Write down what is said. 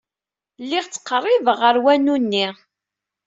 Lliɣ ttqerribeɣ ɣer wanu-nni.